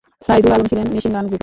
সাইদুল আলম ছিলেন মেশিনগান গ্রুপে।